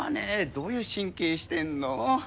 どういう神経してんの？